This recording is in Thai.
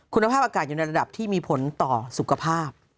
คุณภาพอากาศอยู่ในระดับที่มีผลต่อสุขภาพ